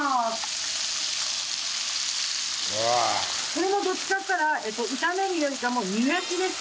これもどっちかっつったら炒めるよりかはもう煮焼きですね。